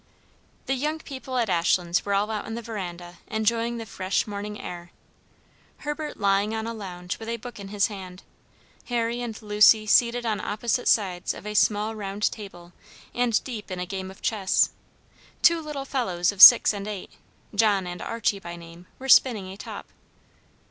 The young people at Ashlands were all out on the veranda enjoying the fresh morning air Herbert lying on a lounge with a book in his hand; Harry and Lucy seated on opposite sides of a small round table and deep in a game of chess; two little fellows of six and eight John and Archie by name were spinning a top.